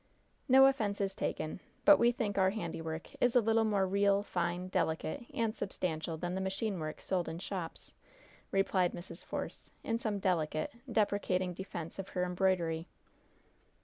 "No offense is taken; but we think our handiwork is a little more real, fine, delicate and substantial than the machine work sold in shops," replied Mrs. Force, in some delicate, deprecating defense of her embroidery.